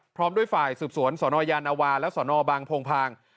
พร้อมด้วยฝ่ายสืบสวนสนยานวาและสนบางโพงพาง